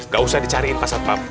gak usah dicariin pak ustadz